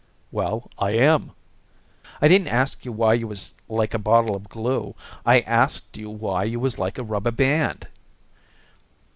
"Well, I am." "I didn't ask you why you was like a bottle of glue. I asked you why you was like a rubber band."